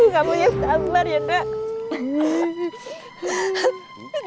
kamu yang tak berhati hati ya nak